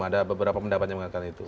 ada beberapa pendapat yang mengatakan itu